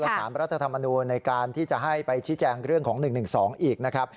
สารรัฐธรรมนูลในการที่จะให้ไปชี้แจงเรื่องของ๑๑๒อีกนะครับ